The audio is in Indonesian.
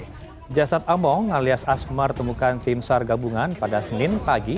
yajasat among alias asmar temukan timsar gabungan pada senin pagi